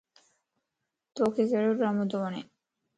توک ڪھڙو ڊرامو تو وڻ؟